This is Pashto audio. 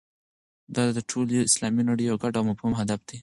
دا د ټولې اسلامي نړۍ یو ګډ او مهم هدف دی.